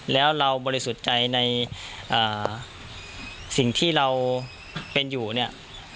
แล้วเราบริสุทธิ์ใจในสิ่งที่เราเป็นอยู่เนี่ย